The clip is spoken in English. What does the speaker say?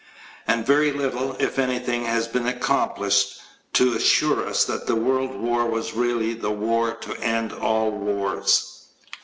And very little, if anything, has been accomplished to assure us that the World War was really the war to end all wars.